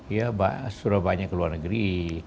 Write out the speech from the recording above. ya sudah banyak keluar negeri